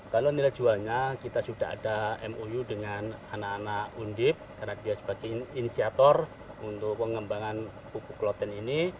kalau nilai jualnya kita sudah ada mou dengan anak anak undip karena dia sebagai inisiator untuk pengembangan pupuk kloten ini